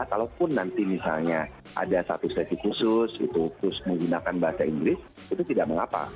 kalaupun nanti misalnya ada satu sesi khusus itu terus menggunakan bahasa inggris itu tidak mengapa